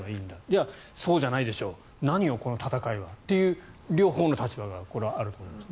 いや、そうじゃないでしょ何をこの戦いはという両方の立場があると思います。